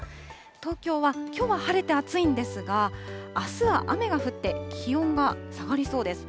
東京はきょうは晴れて暑いんですが、あすは雨が降って、気温が下がりそうです。